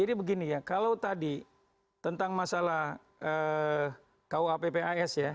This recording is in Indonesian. jadi begini ya kalau tadi tentang masalah kuappas ya